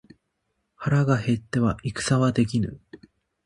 腹が減っては戦はできぬ。